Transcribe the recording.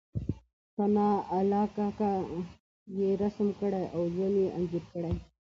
ثناء الله کاکا يې رسم کړی او ژوند یې انځور کړی.